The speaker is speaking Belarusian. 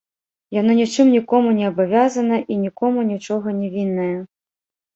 Яно нічым нікому не абавязана і нікому нічога не вінная.